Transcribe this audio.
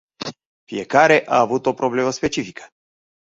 Fiecare a avut o problemă specifică.